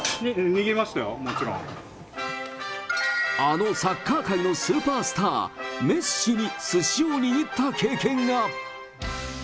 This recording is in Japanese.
握りましたよ、あのサッカー界のスーパースター、メッシにすしを握った経験が。